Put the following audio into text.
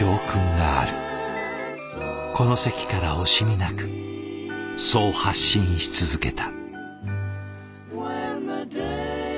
この席から惜しみなくそう発信し続けた。